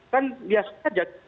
kan biasa saja